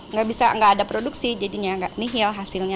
nggak bisa nggak ada produksi jadinya nggak nihil hasilnya